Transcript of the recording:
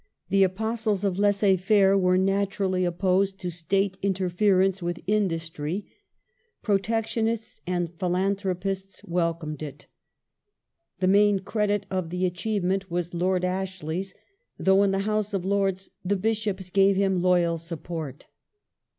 The apostles of laisser faire were naturally opposed to State ^ interference with industry ; protectionists and philanthropists ^ welcomed it. The main credit of the achievement was Lord [ Ashley's, though, in the House of Lords, the Bishops gave him loyal support.